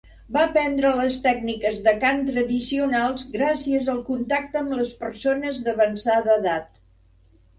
Va aprendre les tècniques de cant tradicionals gràcies al contacte amb les persones d'avançada edat.